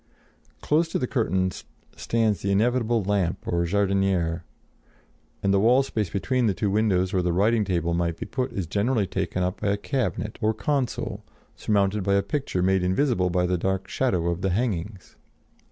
Close to the curtains stands the inevitable lamp or jardinière, and the wall space between the two windows, where a writing table might be put, is generally taken up by a cabinet or console, surmounted by a picture made invisible by the dark shadow of the hangings.